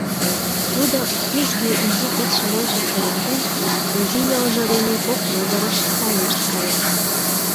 Тудо, кӱжгӧ изи кидшым ончык шуялтен, изи йолжо дене кок могырыш тайнышт кая.